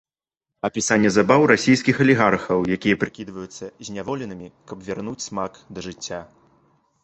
Апісанне забаў расейскіх алігархаў, якія прыкідваюцца зняволенымі, каб вярнуць смак да жыцця.